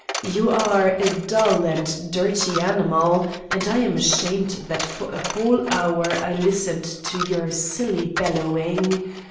You are a dull and dirty animal and I am ashamed that for a whole hour I listened to your silly bellowing.